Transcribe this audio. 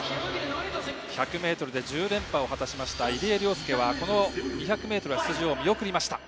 １００ｍで１０連覇を果たした入江陵介はこの２００ｍは出場を見送りました。